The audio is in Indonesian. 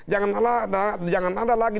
jangan ada lagi